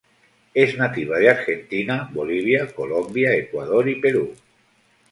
Es nativa de Argentina, Bolivia, Colombia, Ecuador y Perú.